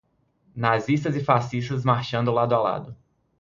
Nazistas e fascistas marchando lado a lado